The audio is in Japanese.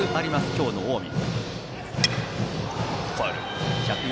今日の近江。